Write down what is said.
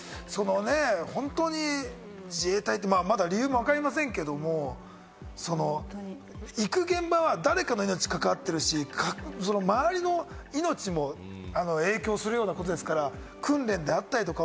本当に自衛隊ってまだ理由もわかりませんけれども、行く現場は誰かの命に関わってるし、周りの命も影響するようなことですから、訓練であったりとか、